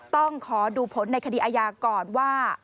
ต้องขอดูผลในคดีอาญาก่อนว่า